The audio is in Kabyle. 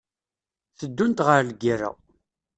Teddunt ɣer lgirra.